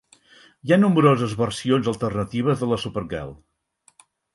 Hi ha nombroses versions alternatives de la Supergirl.